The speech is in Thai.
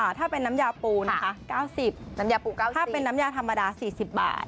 ถ้าเป็นน้ำยาปูนะคะ๙๐น้ำยาปู๙ถ้าเป็นน้ำยาธรรมดา๔๐บาท